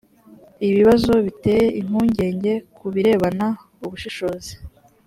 ibibazo biteye impungenge ku birebana ubushishozi